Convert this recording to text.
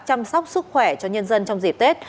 chăm sóc sức khỏe cho nhân dân trong dịp tết